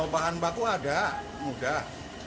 bahan baku ada mudah